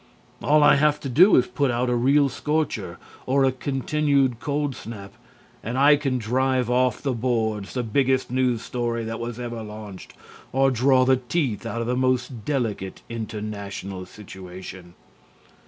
"All I have to do is put out a real scorcher or a continued cold snap, and I can drive off the boards the biggest news story that was ever launched or draw the teeth out of the most delicate international situation.